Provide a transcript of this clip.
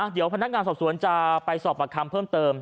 เดี๋ยวพนักงานสอบสวนจะไปสอบประคำเพิ่มเติม